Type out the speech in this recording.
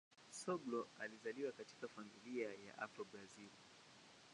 Soglo alizaliwa katika familia ya Afro-Brazil.